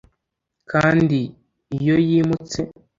kandi iyo yimutse